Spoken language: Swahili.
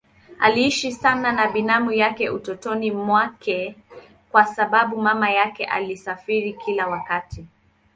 Aliishi sana na binamu yake utotoni mwake kwa sababu mama yake alisafiri kila wakati.